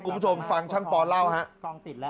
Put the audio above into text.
คุณผู้ชมฟังช่างปอลเล่าคุณผู้ชมฟังช่างปอลเล่า